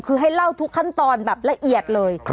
คือให้เล่าทุกขั้นตอนแบบละเอียดเลย